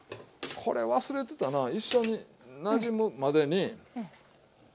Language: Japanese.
これ忘れてたな一緒になじむまでに。